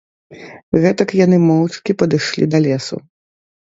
Гэтак яны моўчкі падышлі да лесу.